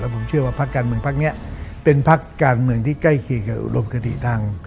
ผมเชื่อว่าพักการเมืองพักนี้เป็นพักการเมืองที่ใกล้เคียงกับอุดมคติทาง